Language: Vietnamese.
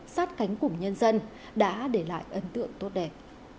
sát cánh củng nhân dân đã để lại ấn tượng tốt đẹp